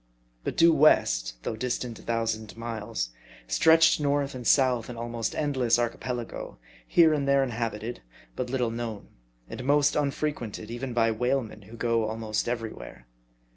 But due west, though distant a thousand miles, stretched north and south an almost endless Archipelago, here and there inhabited, but little known ; and mostly unfrequented, even by whalemen, who go almost every where.